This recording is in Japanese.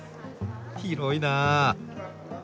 広いなあ。